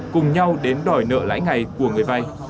cùng nhau đến đòi nợ lãi ngày của người vay